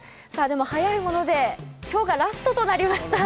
早いもので今日がラストとなりました。